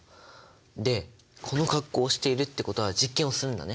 でこの格好をしているってことは実験をするんだね？